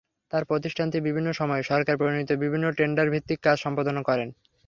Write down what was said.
তাঁর প্রতিষ্ঠানটি বিভিন্ন সময় সরকার প্রণীত বিভিন্ন টেন্ডারভিত্তিক কাজ সম্পাদন করে।